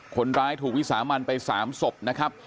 คนร้ายถูกวิสามันไป๓ศพนะครับ